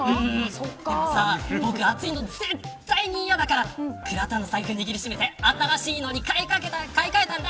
僕、暑いの絶対に嫌だから倉田の財布握り締めて新しいのに買い替えたんだ。